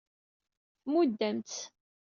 Tmudd-am-tt.